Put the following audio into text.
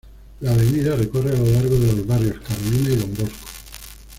La avenida recorre a lo largo de los barrios Carolina y Don Bosco.